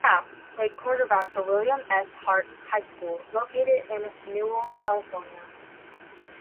Kapp played quarterback for William S. Hart High School, located in Newhall, California.